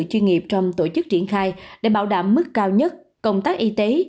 chuyên nghiệp trong tổ chức triển khai để bảo đảm mức cao nhất công tác y tế